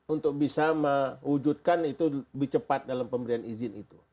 untuk bisa mewujudkan itu lebih cepat dalam pemberian izin itu